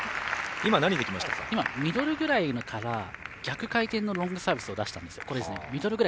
今、ミドルぐらいのから逆回転のロングサービスを出したんです。